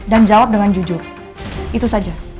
dan jawab dengan jujur itu saja